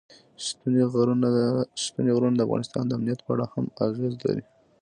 ستوني غرونه د افغانستان د امنیت په اړه هم اغېز لري.